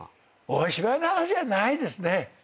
お芝居の話はないですね。